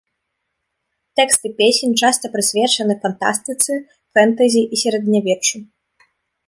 Тэксты песен часта прысвечаны фантастыцы, фэнтэзі і сярэднявеччу.